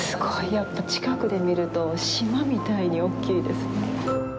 やっぱり近くで見ると島みたいに大きいです。